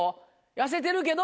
痩せてるけど？